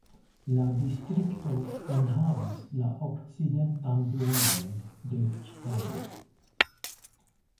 La distrikto enhavas la okcidentan duonon de Ĉikago.